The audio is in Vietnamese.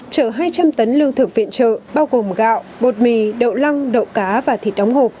chở hai trăm linh tấn lương thực viện trợ bao gồm gạo bột mì đậu lăng đậu cá và thịt đóng hộp